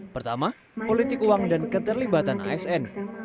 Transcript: pertama politik uang dan keterlibatan asn